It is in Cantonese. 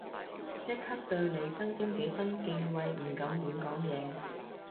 即刻對你增添幾分敬畏唔敢亂講嘢